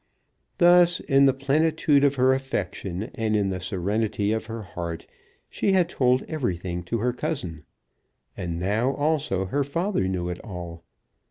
Thus in the plenitude of her affection and in the serenity of her heart she had told everything to her cousin. And now also her father knew it all.